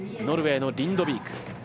ノルウェーのリンドビーク。